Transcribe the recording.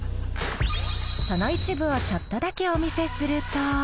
その一部をちょっとだけお見せすると。